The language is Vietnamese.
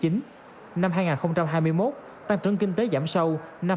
năm hai nghìn hai mươi một tăng trưởng kinh tế giảm sâu năm ba mươi sáu